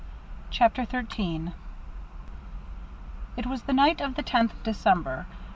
CHAPTER XIII It was the night of the tenth of December.